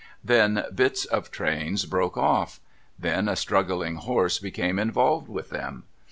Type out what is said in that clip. Then, bits of trains broke off. Then, a struggling horse became involved with them.